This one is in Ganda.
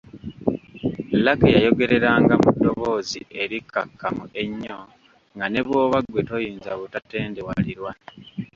Lucky yayogereranga mu ddoboozi erikkakkamu ennyo nga ne bw’oba ggwe toyinza butatendewalirwa.